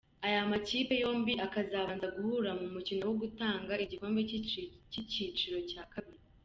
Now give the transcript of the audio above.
Aya makipe yombi akazabanza guhura mu mukino wo gutanga igikombe cy’icyiciro cya kabiri.